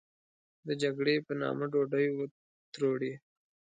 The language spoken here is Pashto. د جګړې په نامه ډوډۍ و تروړي.